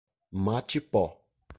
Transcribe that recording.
Matipó